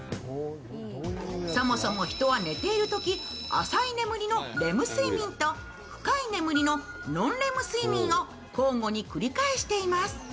そもそも人は寝ているとき、浅い眠りのレム睡眠と深い眠りのノンレム睡眠を交互に繰り返しています。